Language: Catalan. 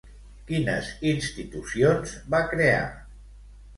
Quines institucions va crear?